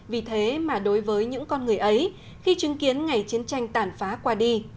vì thế mà đối với những con người ấy khi chứng kiến ngày chiến tranh tàn phá qua đi